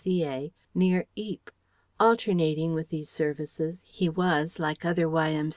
C.A., near Ypres. Alternating with these services, he was, like other Y.M.